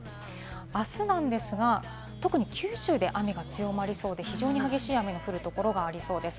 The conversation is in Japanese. あすなんですが、特に九州で雨が強まりそうで、非常に激しい雨の降るところがありそうです。